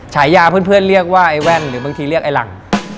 ฉายาเพื่อนเรียกว่าไอ้แว่นหรือบางทีเรียกไอ้หลัง